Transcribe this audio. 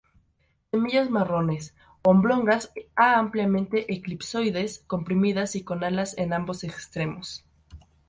Semillas marrones, oblongas a ampliamente elipsoides, comprimidas y con alas en ambos extremos.